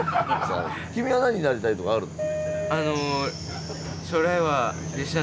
君は何になりたいとかあるの？